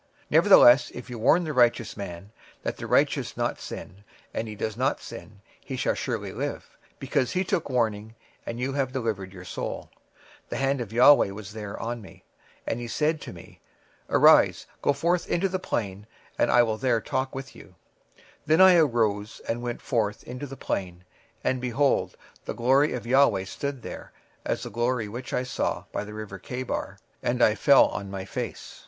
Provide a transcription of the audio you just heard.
26:003:021 Nevertheless if thou warn the righteous man, that the righteous sin not, and he doth not sin, he shall surely live, because he is warned; also thou hast delivered thy soul. 26:003:022 And the hand of the LORD was there upon me; and he said unto me, Arise, go forth into the plain, and I will there talk with thee. 26:003:023 Then I arose, and went forth into the plain: and, behold, the glory of the LORD stood there, as the glory which I saw by the river of Chebar: and I fell on my face.